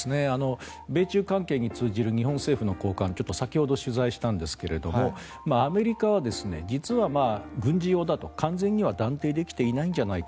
米中関係に通じる日本政府の高官先ほど取材したんですがアメリカは実は、軍事用だと完全には断定できていないんじゃないか。